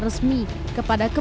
setelah laporan ini